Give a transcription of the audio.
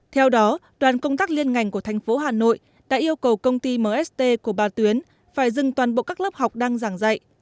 theo đó đoàn công tác liên ngành của thành phố hà nội đã yêu cầu công ty mst của bà tuyến phải dừng toàn bộ các lớp học đang giảng dạy